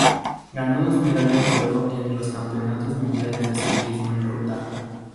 Ganó dos medallas de oro en los Campeonatos Mundiales de Ciclismo en Ruta.